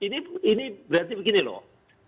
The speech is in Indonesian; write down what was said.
ini berarti begini loh